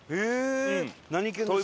何犬ですか？